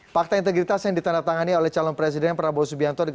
fakta integritas yang ditandatangani oleh calon presiden prabowo subianto